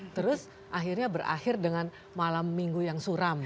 terus akhirnya berakhir dengan malam minggu yang suram